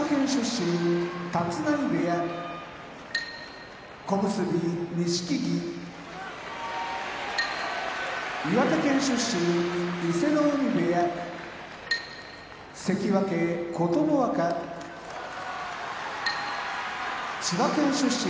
立浪部屋小結・錦木岩手県出身伊勢ノ海部屋関脇・琴ノ若千葉県出身